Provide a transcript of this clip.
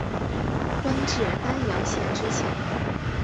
官至丹阳县知县。